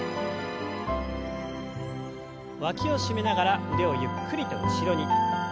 わきを締めながら腕をゆっくりと後ろに。